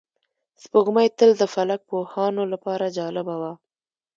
سپوږمۍ تل د فلک پوهانو لپاره جالبه وه